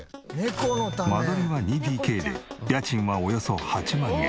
間取りは２ＤＫで家賃はおよそ８万円。